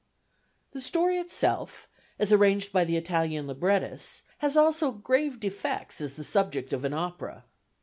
"The story itself, as arranged by the Italian librettists, has also grave defects as the subject of an opera.